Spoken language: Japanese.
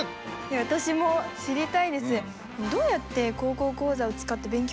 私も知りたいです。